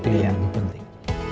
nkri nya itu yang lebih penting